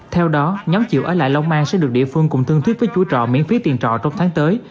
theo đó nhóm chịu ở lại long an sẽ được địa phương cùng tương thuyết với chú trọ miễn phí tiền trọ trong tháng tới